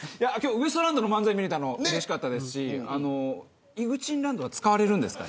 ウエストランドの漫才が見られてうれしかったですしいぐちんランドは使われるんですか。